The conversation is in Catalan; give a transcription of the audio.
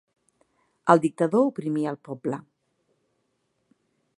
El dictador oprimia el poble.